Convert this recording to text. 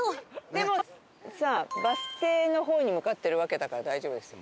でもさバス停の方に向かってるわけだから大丈夫ですよ。